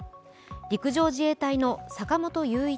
陸上自衛隊の坂本雄一